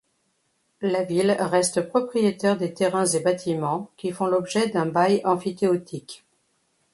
La ville reste propriétaire des terrains et bâtiments qui font l'objet d'un bail emphytéotique.